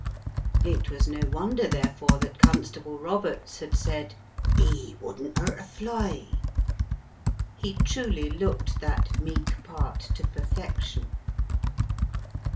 It was no wonder, there fore, that Constable Roberts had said :" TE wouldn't 'urt a fly." He truly looked that meek part to per fection.